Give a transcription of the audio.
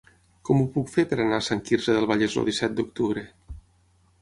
Com ho puc fer per anar a Sant Quirze del Vallès el disset d'octubre?